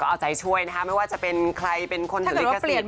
เอาใจช่วยนะคะไม่ว่าจะเป็นใครเป็นคนถือลิขสิทธิ